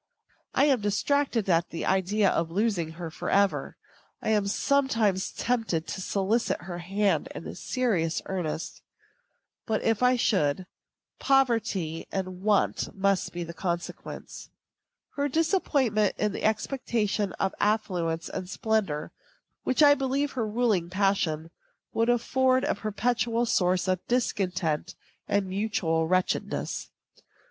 I am distracted at the idea of losing her forever. I am sometimes tempted to solicit her hand in serious earnest; but if I should, poverty and want must be the consequence. Her disappointment in the expectation of affluence and splendor, which I believe her ruling passion, would afford a perpetual source of discontent and mutual wretchedness.